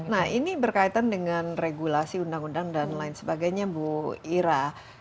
nah ini berkaitan dengan regulasi undang undang dan lain sebagainya bu ira